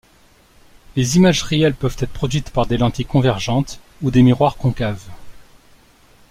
Les images réelles peuvent être produites par des lentilles convergentes ou des miroirs concaves.